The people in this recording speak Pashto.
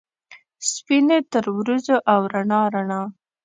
سپینې ترورځو ، او رڼا ، رڼا